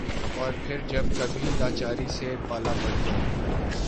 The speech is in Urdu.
اور پھر جب کبھی لاچاری سے پالا پڑ جائے ۔